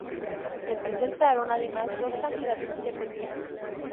Se presentaron además dos candidatos independientes.